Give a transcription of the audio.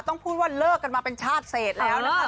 ต้องพูดว่าเลิกกันมาเป็นชาติเศษแล้วนะคะ